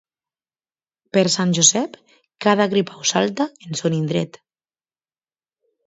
Per Sant Josep cada gripau salta en son indret.